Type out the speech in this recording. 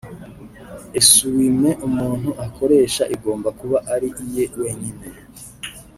Esuwime(essuie main) umuntu akoresha igomba kuba ari iye wenyine